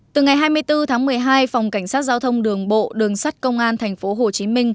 từ ngày hai mươi bốn tháng một mươi hai phòng cảnh sát giao thông đường bộ đường sắt công an tp hcm